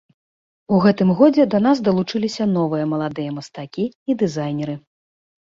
У гэтым годзе да нас далучыліся новыя маладыя мастакі і дызайнеры.